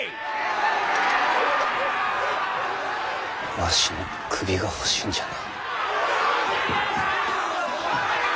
わしの首が欲しいんじゃな。